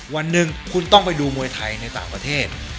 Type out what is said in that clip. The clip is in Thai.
วันหนึ่งคุณต้องไปดูมวยไทยในต่างประเทศ